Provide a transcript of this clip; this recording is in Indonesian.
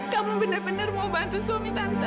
kamu bener bener mau bantu suami tante